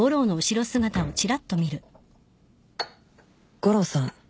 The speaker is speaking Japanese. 悟郎さん